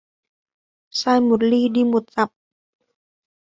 Sai một li đi một dặm